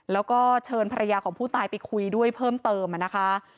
แล้วก็เชิญภรรยาของผู้ตายไปคุยด้วยเพิ่มเติมนะคะ